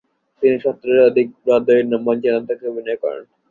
তিনি সত্তরের অধিক ব্রডওয়ে মঞ্চনাটকে অভিনয় করেন।